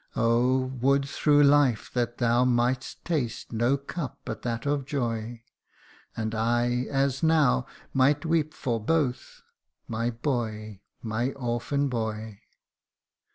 Oh ! would through life that thou mightst taste no cup but that of joy, And I, as now, might weep for both my boy ! my orphan boy!'